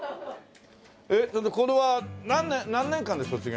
えっこれは何年間で卒業？